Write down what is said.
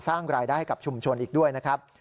สร้างรายได้ให้กับชุมชนอีกด้วยนะครับ